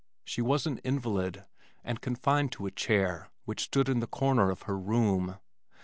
She was an invalid, and confined to a chair, which stood in the corner of her room.